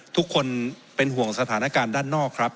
ทุกคนเป็นห่วงสถานการณ์ด้านนอกครับ